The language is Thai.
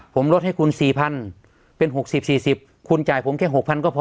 ผมลดให้คุณสี่พันเป็นหกสิบสี่สิบคุณจ่ายผมแค่หกพันก็พอ